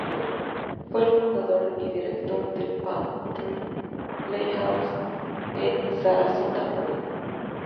Lancaster fue el fundador y director del Palm Tree Playhouse en Sarasota, Florida.